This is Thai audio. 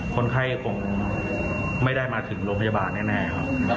คนไข้คงไม่ได้มาถึงโรงพยาบาลแน่ครับ